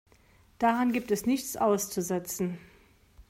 Daran gibt es nichts auszusetzen.